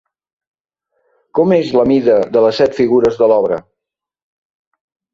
Com és la mida de les set figures de l'obra?